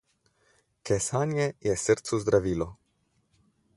Kesanje je srcu zdravilo.